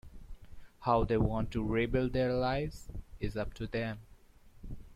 How they want to rebuild their lives is up to them.